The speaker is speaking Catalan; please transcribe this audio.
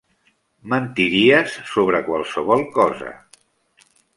Mentiries sobre qualsevol cosa.